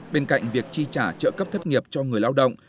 bên cạnh việc chi trả trợ cấp thất nghiệp cho người lao động